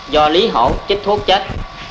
do lý hổ chích thuốc chết